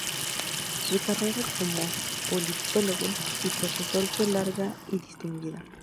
Su carrera como politólogo y profesor fue larga y distinguida.